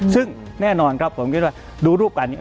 ซึ่งแน่นอนครับผมคิดว่าดูรูปการนี้